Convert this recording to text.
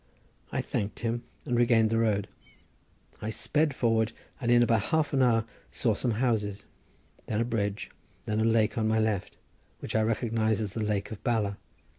I thanked him and regained the road. I sped onward and in about half an hour saw some houses, then a bridge, then a lake on my left, which I recognised as the lake of Bala.